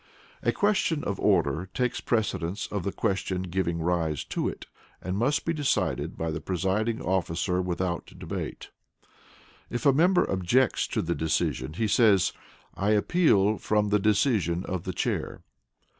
A Question of Order takes precedence of the question giving rise to it, and must be decided by the presiding officer without debate. If a member objects to the decision, he says, "I appeal from the decision of the Chair."